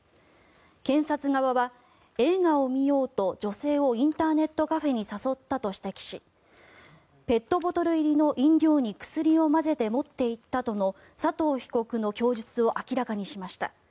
検察側は、映画を見ようと女性をインターネットカフェに誘ったと指摘しペットボトル入りの飲料に薬を混ぜて持っていったとの佐藤被告の供述を明らかにしました。